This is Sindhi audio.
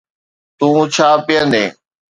تون ڇا پيئندين